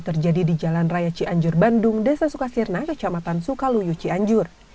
terjadi di jalan raya cianjur bandung desa sukasirna kecamatan sukaluyu cianjur